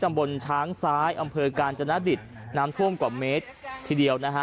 ตำบลช้างซ้ายอำเภอกาญจนดิตน้ำท่วมกว่าเมตรทีเดียวนะฮะ